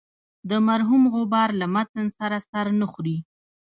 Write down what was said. د مرحوم غبار له متن سره سر نه خوري.